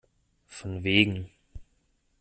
Von wegen!